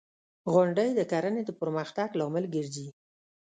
• غونډۍ د کرنې د پرمختګ لامل ګرځي.